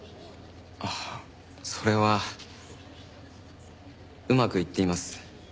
ああそれはうまくいっています。